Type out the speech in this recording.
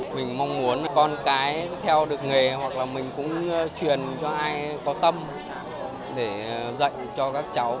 mình mong muốn con cái theo được nghề hoặc là mình cũng truyền cho ai có tâm để dạy cho các cháu